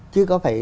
chứ có phải